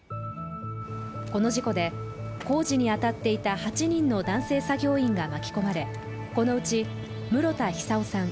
この事故で、工事に当たっていた８人の男性作業員が巻き込まれこのうち、室田久生さん